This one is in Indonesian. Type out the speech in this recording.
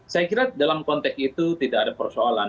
saya kira dalam konteks itu tidak ada persoalan